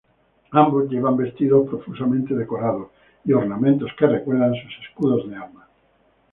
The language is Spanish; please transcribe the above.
Ambos llevan vestidos profusamente decorados, y ornamentos que recuerdan sus escudos de armas.